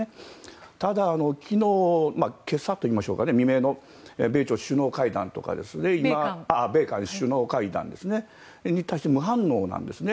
ただ、今朝といいましょうか未明の米韓首脳会談に対して無反応なんですね。